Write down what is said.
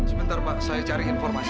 sebentar pak saya cari informasi